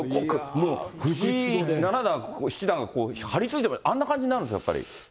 藤井七段、七段が張りついて、あんな感じになるんですか、やっぱり。